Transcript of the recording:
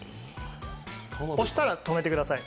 そしたら止めてください。